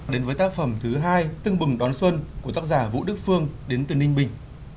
đến với tác phẩm thứ hai tưng bừng đón xuân của tác giả vũ đức phương đến từ ninh bình